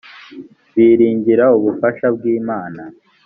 biringira ubufasha bw imana